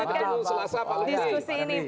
kita akan melanjutkan diskusi ini